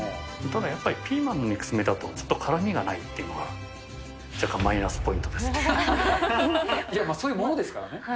ただやっぱりピーマンの肉詰めだと、ちょっと辛みがないっていうのが、いや、まあそういうものですからね。